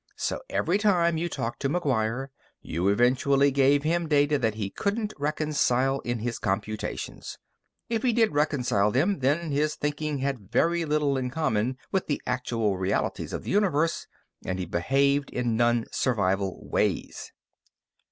So, every time you talked to McGuire, you eventually gave him data that he couldn't reconcile in his computations. If he did reconcile them, then his thinking had very little in common with the actual realities of the universe, and he behaved in non survival ways.